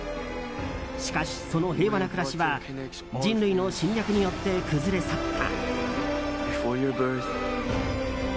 しかし、その平和な暮らしは人類の侵略によって崩れ去った。